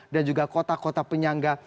dan juga kota kota penyangga